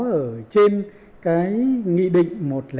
ở trên cái nghị định một trăm linh năm